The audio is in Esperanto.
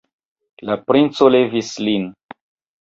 La princo levis lin.